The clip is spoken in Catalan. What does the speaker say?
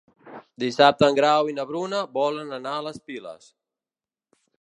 Dissabte en Grau i na Bruna volen anar a les Piles.